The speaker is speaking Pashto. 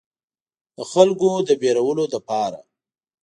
د خلکو د ویرولو لپاره.